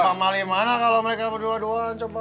pak mali mana kalo mereka berdua duaan coba